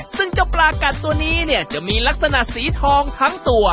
ซึ่งเจ้าปลากัดตัวนี้เนี่ยจะมีลักษณะสีทองทั้งตัว